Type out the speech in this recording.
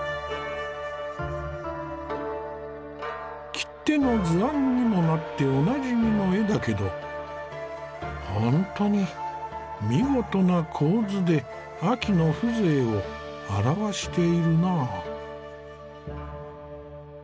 切手の図案にもなっておなじみの絵だけどほんとに見事な構図で秋の風情を表しているなぁ。